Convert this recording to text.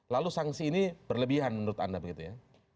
lalu sanksi ini berlebihan menurut anda begitu ya